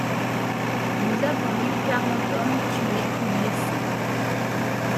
Nous avons eu quarante hommes tués ou blessés.